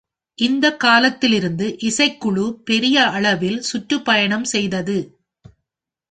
இந்தக் காலத்திலிருந்து இசைக்குழு பெரிய அளவில் சுற்றுப்பயணம் செய்தது.